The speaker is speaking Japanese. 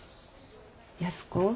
安子。